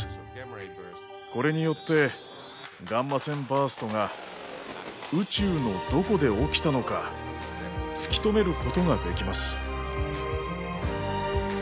これによってガンマ線バーストが宇宙のどこで起きたのか突き止めることができます。